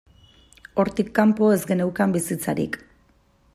Hortik kanpo, ez geneukan bizitzarik.